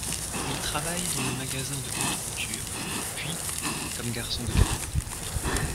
Il travaille dans le magasin de haute couture, puis, comme garçon de café.